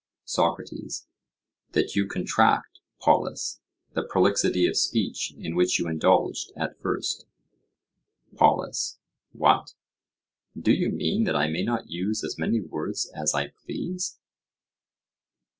SOCRATES: That you contract, Polus, the prolixity of speech in which you indulged at first. POLUS: What! do you mean that I may not use as many words as I please?